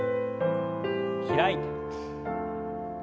開いて。